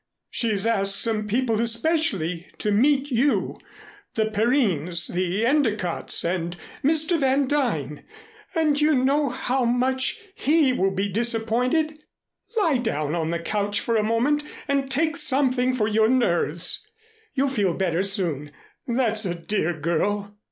She's asked some people especially to meet you the Perrines, the Endicotts, and Mr. Van Duyn, and you know how much he will be disappointed. Lie down on the couch for a moment, and take something for your nerves. You'll feel better soon, that's a dear girl."